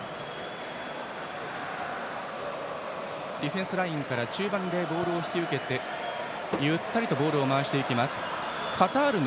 ディフェンスラインから中盤でボールを引き受けてゆったりとボールを回すエクアドル。